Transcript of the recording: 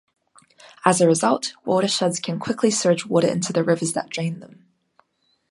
As a result, watersheds can quickly surge water into the rivers that drain them.